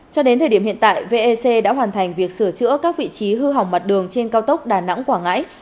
cho đến thời điểm hiện tại vec đã hoàn thành việc sửa chữa các vị trí hư hỏng mặt đường trên cao tốc đà nẵng quảng ngãi